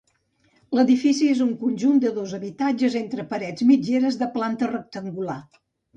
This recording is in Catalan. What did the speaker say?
L'edifici és un conjunt de dos habitatges entre parets mitgeres de planta rectangular.